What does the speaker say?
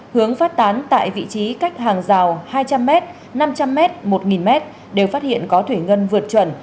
hướng phát tán tại vị trí cách hàng rào hai trăm linh m năm trăm linh m một m đều phát hiện có thủy ngân vượt chuẩn